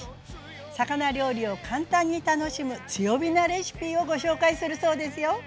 魚料理を簡単に楽しむ強火なレシピをご紹介するそうですよ。